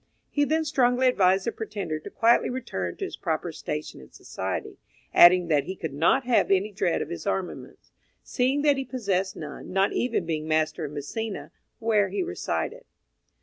He then strongly advised the pretender to quietly return to his proper station in society, adding that he could not have any dread of his armaments, seeing that he possessed none, not even being master of Misina, where he resided.